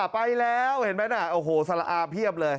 ไปแล้วเห็นไหมน่ะโอ้โหสละอาเพียบเลย